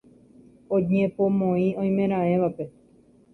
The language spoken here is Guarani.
Oñepomoĩ oimeraẽvape.